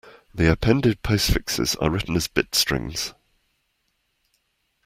The appended postfixes are written as bit strings.